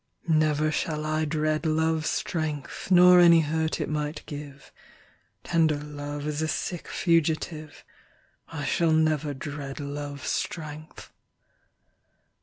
Never shall I dread love's strengthNor any hurt it might give;(Tender love is a sick fugitive),I shall never dread love's strength.